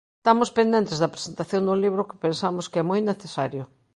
Estamos pendentes da presentación dun libro que pensamos que é moi necesario.